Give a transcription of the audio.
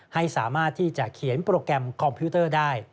ให้สามารถที่จะเขียนโปรแกรมคอมพิวเตอร์ได้